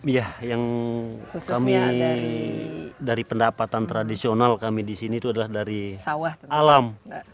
ya yang kami dari pendapatan tradisional kami disini itu adalah dari alam